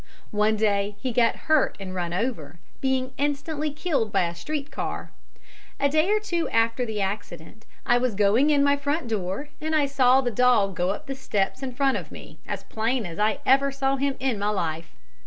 One day he got hurt and run over, being instantly killed by a street car. A day or two after the accident I was going in my front door and I saw the dog go up the steps in front of me, as plain as I ever saw him in my life.